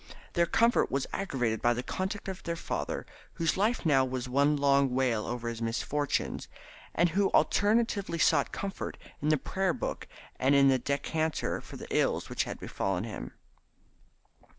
Their discomfort was aggravated by the conduct of their father, whose life now was one long wail over his misfortunes, and who alternately sought comfort in the Prayer book and in the decanter for the ills which had befallen him.